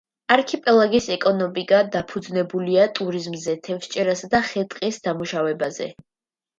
არქიპელაგის ეკონომიკა დაფუძნებულია ტურიზმზე, თევზჭერასა და ხე-ტყის დამუშავებაზე.